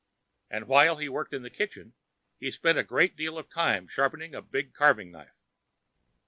And, while he worked in the kitchen, he spent a great deal of time sharpening a big carving knife.